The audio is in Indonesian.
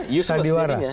iya useless jadinya